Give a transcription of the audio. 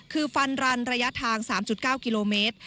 คือฟันรันระยะทาง๓๙กิโลเมตร